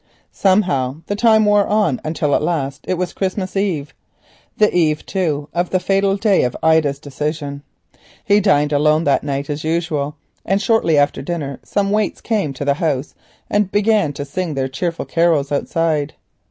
Somehow the time wore on until at last it was Christmas Eve; the eve, too, of the fatal day of Ida's decision. He dined alone that night as usual, and shortly after dinner some waits came to the house and began to sing their cheerful carols outside.